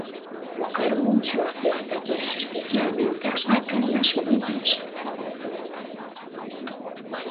O carbuncho aféctalles especialmente ás vacas e ás ovellas.